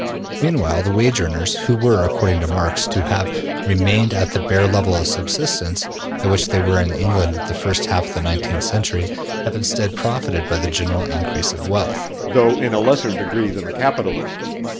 Meanwhile the wage earners, who were, according to Marx, to have remained at the bare level of subsistence at which they were in the England of the first half of the nineteenth century, have instead profited by the general increase of wealth, though in a lesser degree than the capitalists.